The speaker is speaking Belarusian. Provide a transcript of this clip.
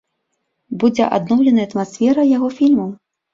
Будзе адноўленая атмасфера яго фільмаў.